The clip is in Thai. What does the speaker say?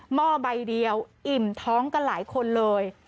ห้อใบเดียวอิ่มท้องกันหลายคนเลย